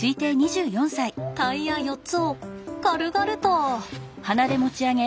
タイヤ４つを軽々と。